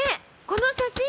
この写真！